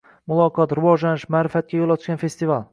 Muloqot, rivojlanish, ma’rifatga yo‘l ochgan festival